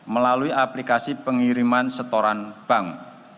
melalui aplikasi pengiriman setoran bank